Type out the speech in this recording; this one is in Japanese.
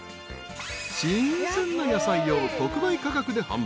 ［新鮮な野菜を特売価格で販売］